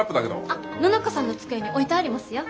あっ野中さんの机に置いてありますよ。